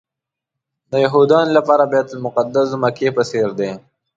د یهودانو لپاره بیت المقدس د مکې په څېر دی.